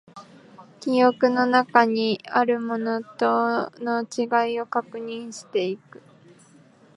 記憶の中にあるものとの違いを確認していく